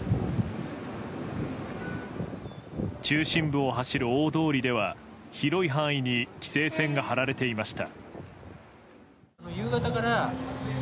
中心部を走る大通りでは広い範囲に規制線が張られていました。